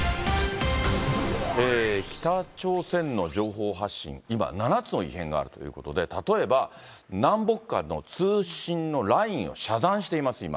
北朝鮮の情報発信、今、７つの異変があるということで、例えば、南北間の通信のラインを遮断しています、今。